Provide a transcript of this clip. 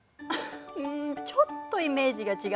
うんちょっとイメージが違うかも。